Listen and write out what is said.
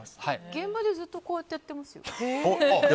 現場でずっとこうやっていますよ。